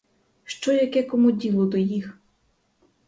Що яке кому діло до їх!